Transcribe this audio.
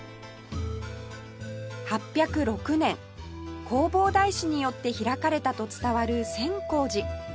８０６年弘法大師によって開かれたと伝わる千光寺